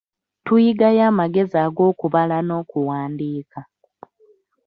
Tuyigayo amagezi ag'okubala n'okuwandiika.